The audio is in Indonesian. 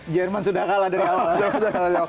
jerman sudah kalah dari awal